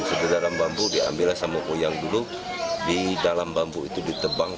segera dalam bambu diambil sama koyang dulu di dalam bambu itu ditebang